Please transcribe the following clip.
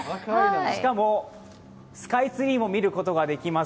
しかもスカイツリーも見ることができます。